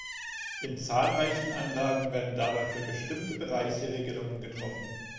In zahlreichen Anlagen werden dabei für bestimmte Bereiche Regelungen getroffen.